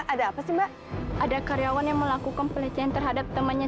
ada apa sih mbak ada karyawan yang melakukan pelecehan terhadap temannya